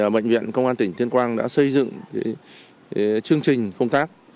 bệnh viện công an tỉnh tuyên quang đã xây dựng chương trình công tác